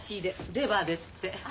レバーですって。